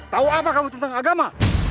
tahu apa kamu tentang agama